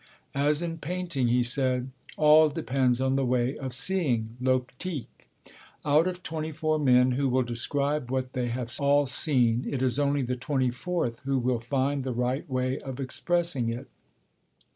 As in painting, he said, all depends on the way of seeing, l'optique: out of twenty four men who will describe what they have all seen, it is only the twenty fourth who will find the right way of expressing it.